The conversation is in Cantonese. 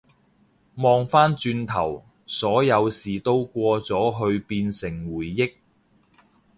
望返轉頭，所有事都過咗去變成回憶